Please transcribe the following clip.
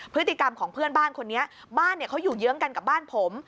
พฤติกรรมของเพื่อนบ้านคนนี้บ้านเนี่ยเขาอยู่เยื้องกันกับบ้านผม